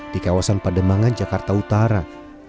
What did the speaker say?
di kawasan pademangan jakarta utara